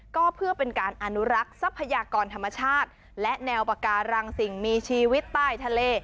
ก็เพื่อเป็นการอนุรักษ์ทรัพยากรธรรมชาติและแนวปาการังสิ่งมีชีวิตใต้ทะเล